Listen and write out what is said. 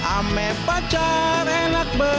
ame pacar enak bener